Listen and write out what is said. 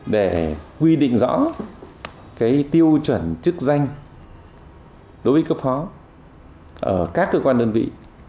để quy định rõ tiêu chuẩn chức danh đối với cấp phó ở các cơ quan đơn vị